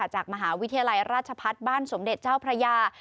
จากมหาวิทยาลัยราชพัฒน์บ้านสมเด็จเจ้าพระยา